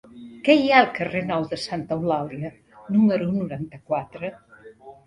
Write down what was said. Què hi ha al carrer Nou de Santa Eulàlia número noranta-quatre?